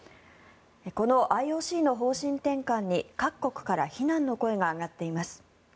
このＩＯＣの方針転換に各国から非難の声が上がっています。